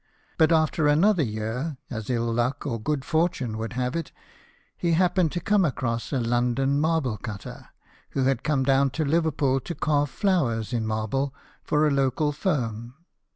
But after another year, as ill luck or good fortune would have it, he happened to come across a London marble cutter, who had come down to Liverpool to carve flowers in marble for a local firm.